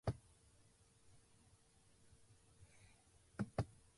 大好きな人ができた